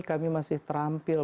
kami masih terampil